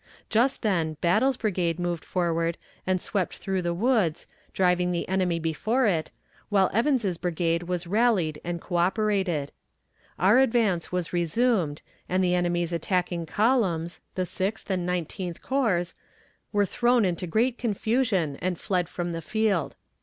Just then Battle's brigade moved forward and swept through the woods, driving the enemy before it, while Evans's brigade was rallied and coöperated. Our advance was resumed, and the enemy's attacking columns, the Sixth and Nineteenth Corps, were thrown into great confusion and fled from the field.